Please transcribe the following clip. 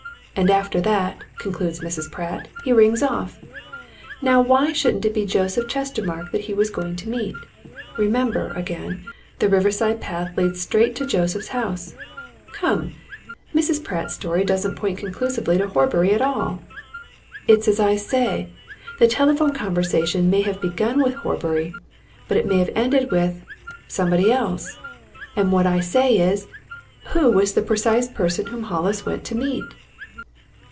And after that,' concludes Mrs. Pratt, 'he rings off.' Now, why shouldn't it be Joseph Chestermarke that he was going to meet? remember, again, the river side path leads straight to Joseph's house. Come! Mrs. Pratt's story doesn't point conclusively to Horbury at all. It's as I say the telephone conversation may have begun with Horbury, but it may have ended with somebody else. And what I say is who was the precise person whom Hollis went to meet?"